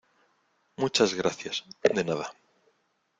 muchas gracias. de nada .